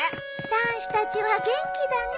男子たちは元気だね。